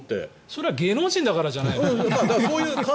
それは芸能人だからじゃない？